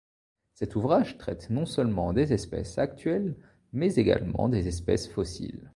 Cet ouvrage traite non seulement des espèces actuelles mais également des espèces fossiles.